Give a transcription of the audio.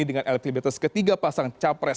dengan elektribitus ketiga pasang capres